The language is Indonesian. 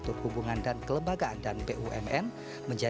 kami ingin meminta kepadlaman dari anda